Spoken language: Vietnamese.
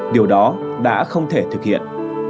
điều đó đã không thể thực hiện